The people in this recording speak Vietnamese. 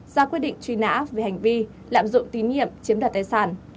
ra quyết định truy nã về hành vi lạm dụng tín nhiệm chiếm đoạt tài sản